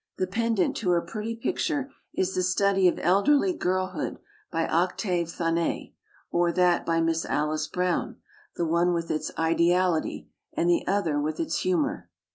The pendant to her pretty picture is the study of elderly girlhood by Octave Thanet, or that by Miss Alice Brown, the one with its ideality, and the other with its humor.